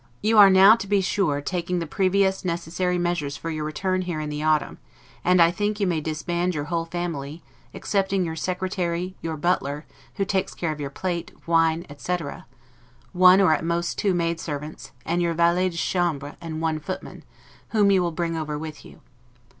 You are now, to be sure, taking the previous necessary measures for your return here in the autumn and I think you may disband your whole family, excepting your secretary, your butler, who takes care of your plate, wine, etc., one or at most two, maid servants, and your valet de chambre and one footman, whom you will bring over with you.